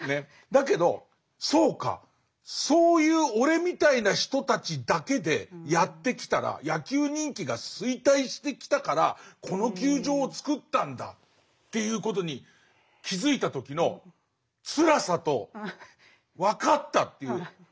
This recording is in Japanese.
だけど「そうかそういう俺みたいな人たちだけでやってきたら野球人気が衰退してきたからこの球場をつくったんだ」ということに気付いた時のつらさと分かったっていう。